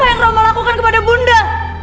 apa yang romo lakukan kepada bunda